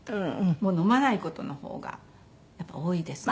もう飲まない事の方が多いですね